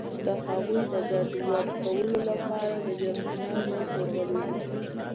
د هغوی د ګډوډ کولو لپاره د جرمنیانو منځ ته ورغلي و.